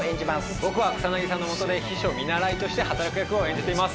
僕は草さんの下で秘書見習いとして働く役を演じています。